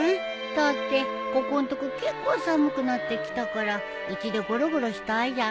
だってここんとこ結構寒くなってきたからうちでごろごろしたいじゃん。